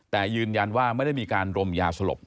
แต่ยืนยันว่าไม่ได้มีการรมยาสลบ